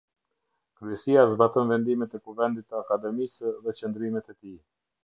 Kryesia zbaton vendimet e Kuvendit të Akademisë dhe qëndrimet e tij.